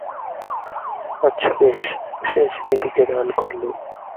আচ্ছা বেশ, সেজদিদিকে দান করলুম।